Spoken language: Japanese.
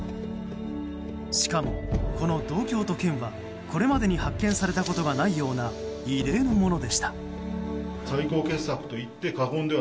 しかも、この銅鏡と剣はこれまでに発見されたことがないような異例なものでした。